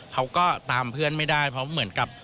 เขาก็ตามเพื่อนไม่ได้เพราะเหมือนกับ